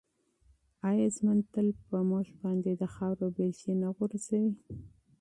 آیا ژوند تل په موږ باندې د خاورو بیلچې نه غورځوي؟